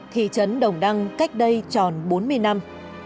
thị trấn đồng đăng cách đây tròn bốn mươi năm